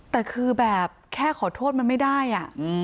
แต่คือแบบแค่ขอโทษมันไม่ได้